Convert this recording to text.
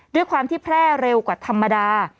ด้วยความที่แพร่เร็วกว่าธรรมดา